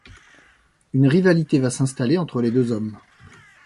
Une rivalité va s'installer entre les deux hommes.